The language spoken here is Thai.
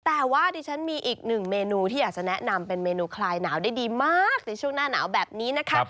แต่ว่าดิฉันมีอีกหนึ่งเมนูที่อยากจะแนะนำเป็นเมนูคลายหนาวได้ดีมากในช่วงหน้าหนาวแบบนี้นะคะ